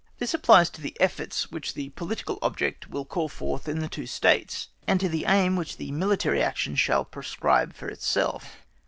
This applies to the efforts which the political object will call forth in the two States, and to the aim which the military action shall prescribe for itself.